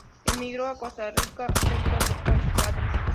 Emigró a Costa Rica junto con su padre.